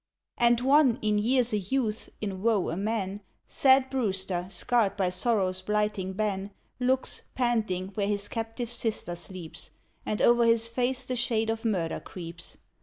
And one, in years a youth, in woe a man, Sad Brewster, scarred by sorrow's blighting ban, Looks, panting, where his captive sister sleeps, And o'er his face the shade of murder creeps.